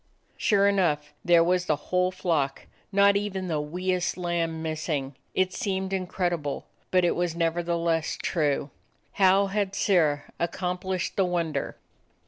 Sure enough, there was the whole flock, not even the wee est lamb missing. It seemed in credible, but it was nevertheless true. How had Sirrah accomplished the wonder?